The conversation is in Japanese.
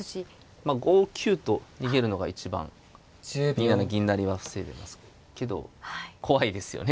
まあ５九と逃げるのが一番２七銀成は防いでますけど怖いですよね